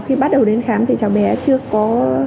khi bắt đầu đến khám thì cháu bé chưa có